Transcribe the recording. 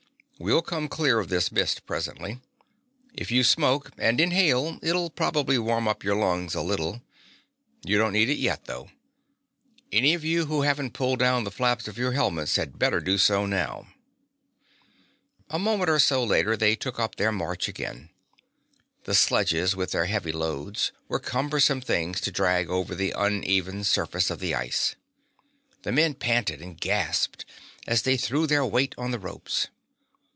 We'll come clear of this mist presently. If you smoke, and inhale, it'll probably warm up your lungs a little. You don't need it yet, though. Any of you who haven't pulled down the flaps of your helmets had better do so now." A moment or so later they took up their march again. The sledges, with their heavy loads, were cumbersome things to drag over the uneven surface of the ice. The men panted and gasped as they threw their weight on the ropes.